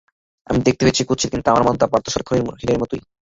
আমি দেখতে হয়তো কুৎসিত কিন্তু আমার মনটা পার্থ শহরের খনির হিরের মতোই।